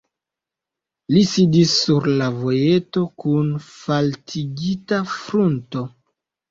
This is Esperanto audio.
Li sidis sur la vojeto kun faltigita frunto.